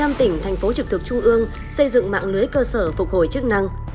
trăm phần trăm tỉnh thành phố trực thực trung ương xây dựng mạng lưới cơ sở phục hồi chức năng